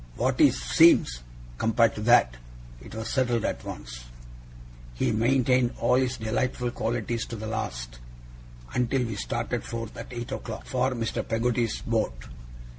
'What is "seems", compared to that?' It was settled at once. He maintained all his delightful qualities to the last, until we started forth, at eight o'clock, for Mr. Peggotty's boat.